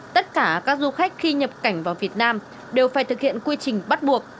tất cả các du khách khi nhập cảnh vào việt nam đều phải thực hiện quy trình bắt buộc